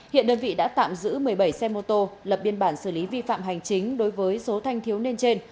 hiện đơn vị đã tạm giữ một mươi bảy xe mô tô lập biên bản xử lý vi phạm hành chính đối với số thanh thiếu niên trên